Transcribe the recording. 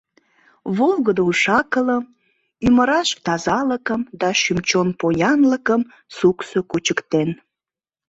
Волгыдо уш-акылым, Ӱмыраш тазалыкым Да шӱм-чон поянлыкым Суксо кучыктен.